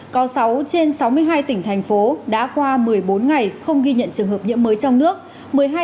có sáu trên sáu mươi hai tỉnh thành phố đã qua một mươi bốn ngày không ghi nhận trường hợp nhiễm mới trong nước